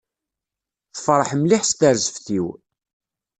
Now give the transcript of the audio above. Tefreḥ mliḥ s terzeft-iw.